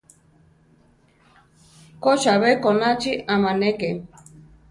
Ko, chabé konachi amáneke.